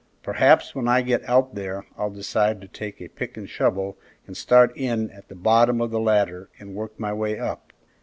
Perhaps when I get out there I'll decide to take a pick and shovel and start in at the bottom of the ladder and work my way up."